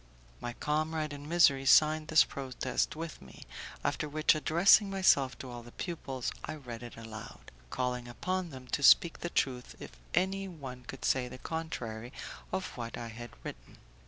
My comrade in misery signed this protest with me; after which, addressing myself to all the pupils, I read it aloud, calling upon them to speak the truth if any one could say the contrary of what I had written.